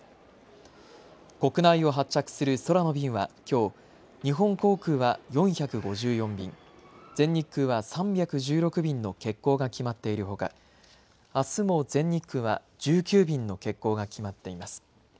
国内を発着する空の便はきょう日本航空は４５４便、全日空は３１６便の欠航が決まっているほか、あすも全日空は１９便の欠航が決まっています。